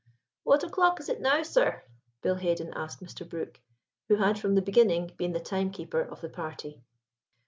"What o'clock is it now, sir?" Bill Haden asked Mr. Brook, who had from the beginning been the time keeper of the party.